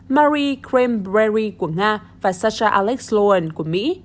marie cranberry của nga và sasha alex lohan của mỹ